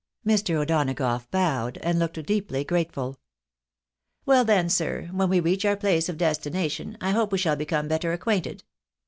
Mr. O'Donagough bowed, and looked deeply grateful. " Well then, sir, when we reach our place of destination, I hope we shaU become better acquainted.